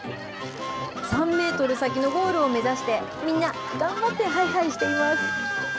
３メートル先のゴールを目指して、みんな、頑張ってハイハイしています。